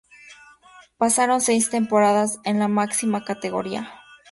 Pasaron seis temporadas en la máxima categoría.